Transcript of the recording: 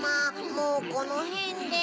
もうこのへんで。